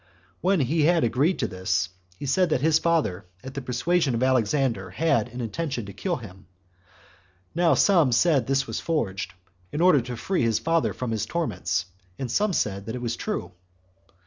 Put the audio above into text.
When he had agreed to this, he said that his father, at the persuasion of Alexander, had an intention to kill him. Now some said this was forged, in order to free his father from his torments; and some said it was true. 6.